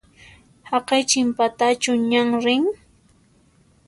Haqay chinpatachu ñan rin?